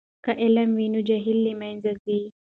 که علم وي نو جهل له منځه ځي.